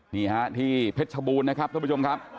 นี้ฮะที่เพชรคบูลนะครับทุกผู้ชมครับ